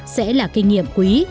sẽ là kinh nghiệm quý